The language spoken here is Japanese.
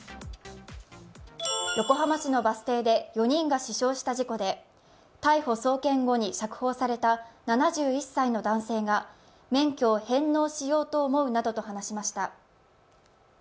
横浜市のバス停で４人が死傷した事故で逮捕・送検後に釈放された７１歳の男性が免許を返納しようと思うなどと話しました。